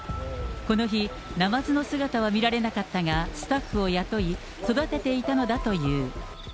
この日、ナマズの姿は見られなかったが、スタッフを雇い、育てていたのだという。